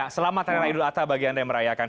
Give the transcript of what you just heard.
selamat raya idul atta bagi anda yang merayakan